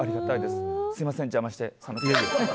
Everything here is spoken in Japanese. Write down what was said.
すみません、邪魔して。